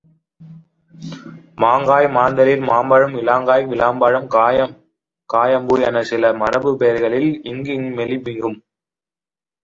மாங்காய், மாந்தளிர், மாம்பழம், விளாங்காய், விளாம்பழம், காயாம்பூ எனச் சில மரப்பெயர்களில் ங், ந், ம் மெலி மிகும்.